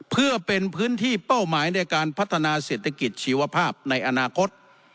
เพื่อเป็นพื้นที่เป้าหมายในการพัฒนาเศรษฐกิจชีวภาพในอนาคต